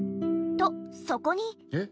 とそこに。